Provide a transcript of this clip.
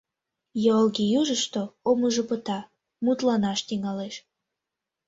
Юалге южышто омыжо пыта, мутланаш тӱҥалеш: